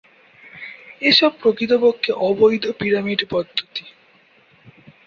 এসব প্রকৃতপক্ষে অবৈধ পিরামিড পদ্ধতি।